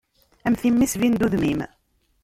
Am timmi sbin-d udem-im.